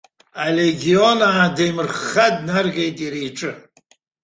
Алегеонаа деимырхха днаргеит иара иҿы.